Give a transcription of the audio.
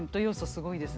すごいですね。